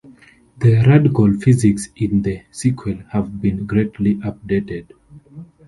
The ragdoll physics in the sequel have been greatly updated.